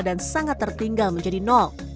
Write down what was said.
sangat tertinggal menjadi nol